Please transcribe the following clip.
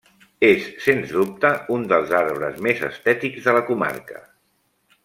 És, sens dubte, un dels arbres més estètics de la comarca.